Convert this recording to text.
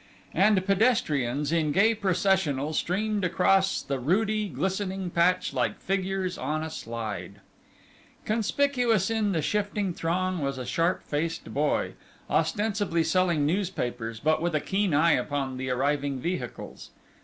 And pedestrians in gay processional streamed across the rudy glistening patch like figures on a slide. Conspicuous in the shifting throng was a sharp faced boy, ostensibly selling newspapers, but with a keen eye upon the arriving vehicles.